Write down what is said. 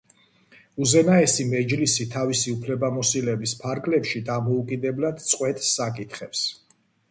უზენაესი მეჯლისი თავისი უფლებამოსილების ფარგლებში დამოუკიდებლად წყვეტს საკითხებს.